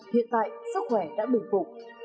hiện tại sức khỏe đã bình phục